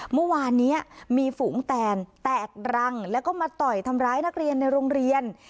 เมื่อวานนี้มีฝูงแตนแตกรังแล้วก็มาต่อยทำร้ายนักเรียนในโรงเรียน